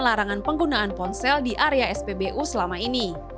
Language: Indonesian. larangan penggunaan ponsel di area spbu selama ini